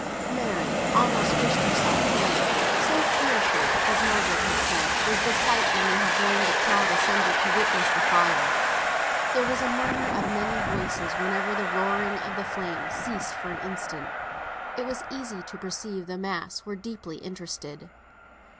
Mary almost wished herself away, so fearful (as Margaret had said) was the sight when they joined the crowd assembled to witness the fire. There was a murmur of many voices whenever the roaring of the flames ceased for an instant. It was easy to perceive the mass were deeply interested.